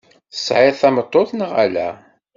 Tesɛiḍ tameṭṭut neɣ ala?